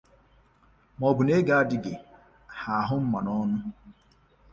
maọbụ na ego na-dị ha ahụ mma n'ọnwụ